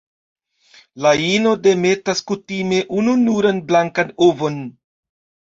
La ino demetas kutime ununuran blankan ovon.